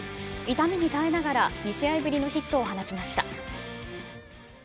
痛みに耐えながら２試合ぶりのヒットを放ちました。